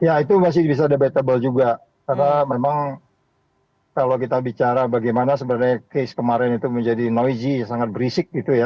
ya itu masih bisa debatable juga karena memang kalau kita bicara bagaimana sebenarnya case kemarin itu menjadi noise sangat berisik gitu ya